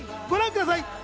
ご覧ください。